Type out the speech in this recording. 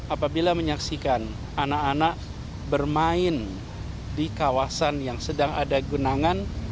apabila menyaksikan anak anak bermain di kawasan yang sedang ada genangan